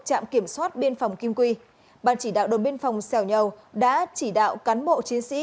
trạm kiểm soát biên phòng kim quy ban chỉ đạo đồn biên phòng xẻo nhầu đã chỉ đạo cán bộ chiến sĩ